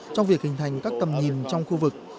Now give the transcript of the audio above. trong việc hình thành các tầm nhìn trong khu vực